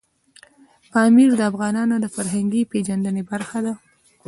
پامیر د افغانانو د فرهنګي پیژندنې برخه ده.